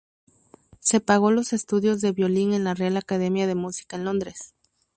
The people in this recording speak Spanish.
Se pago los estudios de violín en la real Academia de Música en Londres.